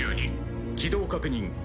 軌道確認。